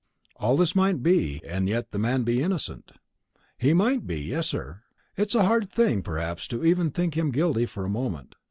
"All this might be, and yet the man be innocent." "He might be yes, sir. It is a hard thing, perhaps, even to think him guilty for a moment.